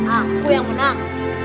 aku yang menang